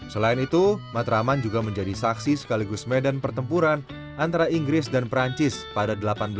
selain itu matraman juga menjadi saksi sekaligus medan pertempuran antara inggris dan perancis pada seribu delapan ratus enam puluh